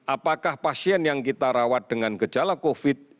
apakah pasien yang kita rawat dengan gejala covid